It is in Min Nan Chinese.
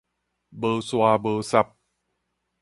無沙無圾